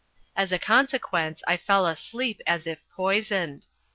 As a consequence I fell asleep as if poisoned.